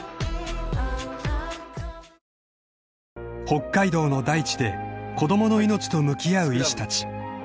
［北海道の大地で子供の命と向き合う医師たち］